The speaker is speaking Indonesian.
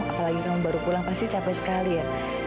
apalagi kamu baru pulang pasti capek sekali ya